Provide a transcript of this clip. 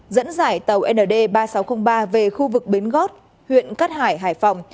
dẫn dải tàu nd ba nghìn sáu trăm linh ba về khu vực bến gót huyện cát hải hải phòng